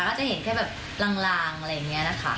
ไม่ที่จะเห็นแบบรางอะไรอย่างอย่างเนียนะคะ